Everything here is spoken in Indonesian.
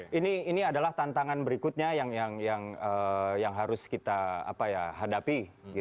jadi ini adalah tantangan berikutnya yang harus kita hadapi